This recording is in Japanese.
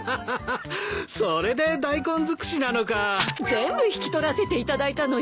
全部引き取らせていただいたのよ。